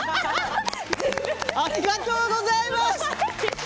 ありがとうございます。